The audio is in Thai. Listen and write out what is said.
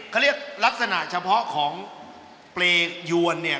เขาเรียกลักษณะเฉพาะของเปรยวนเนี่ย